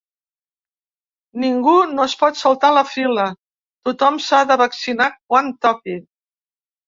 Ningú no es pot saltar la fila, tothom s’ha de vaccinar quan toqui.